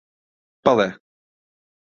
بەڵێ.